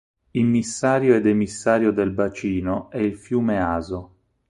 Immissario ed emissario del bacino è il fiume Aso.